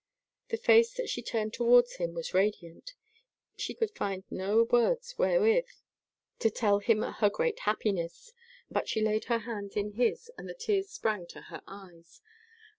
The face that she turned towards him was radiant. She could find no words wherewith to tell him her great happiness, but she laid her hands in his, and the tears sprang to her eyes.